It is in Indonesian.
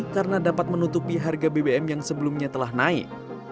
karena dapat menutupi harga bbm yang sebelumnya telah naik